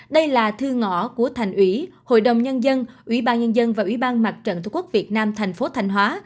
đây là thư ngõ của thành ủy hội đồng nhân dân ủy ban nhân dân và ủy ban mặt trận tqvn tp thanh hóa